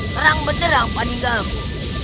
serang benderang paninggalmu